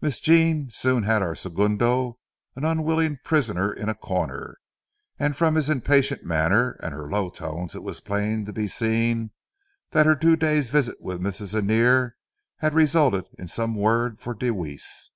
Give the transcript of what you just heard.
Miss Jean soon had our segundo an unwilling prisoner in a corner, and from his impatient manner and her low tones it was plain to be seen that her two days' visit with Mrs. Annear had resulted in some word for Deweese.